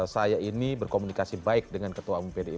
saya ini berkomunikasi baik dengan ketua umum pdip